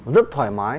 rất thoải mái